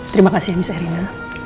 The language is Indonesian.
terima kasih ya miss reina